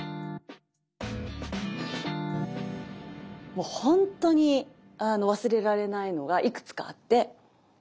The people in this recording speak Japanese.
もうほんとに忘れられないのがいくつかあって。